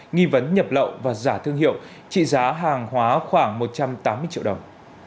nghi vấn nhập lậu và giả thương hiệu trị giá hàng hóa khoảng một trăm tám mươi triệu đồng